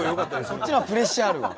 そっちの方がプレッシャーあるわ。